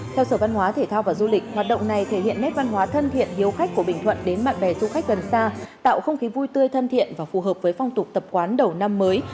theo sở văn hóa thể thao và du lịch hoạt động này thể hiện nét văn hóa thân thiện hiếu khách của bình thuận đến bạn bè du khách gần xa tạo không khí vui tươi thân thiện và phù hợp với phong tục tập quán đầu năm mới